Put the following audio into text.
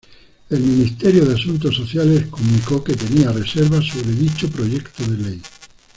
El Ministerio de Asuntos Sociales comunicó que tenía reservas sobre dicho proyecto de ley.